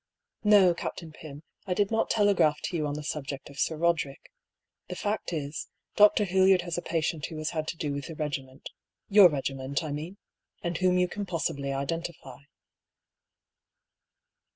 "No, Captain Pym ; I did not telegraph to you on the subject of Sir Roderick. The fact is. Dr. Hildyard has a patient who has had to do with the regiment — your regiment, I mean — and whom you can possibly identify."